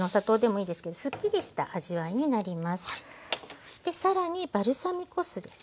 そして更にバルサミコ酢ですね。